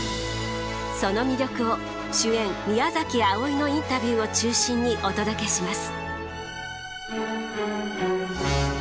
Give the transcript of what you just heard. その魅力を主演宮あおいのインタビューを中心にお届けします！